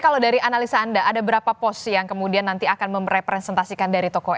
kalau dari analisa anda ada berapa pos yang kemudian nanti akan merepresentasikan dari tokoh ini